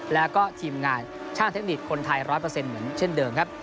แล้วก็ทีมงานช่างเทคนิคคนไทย๑๐๐เหมือนเช่นเดิมครับ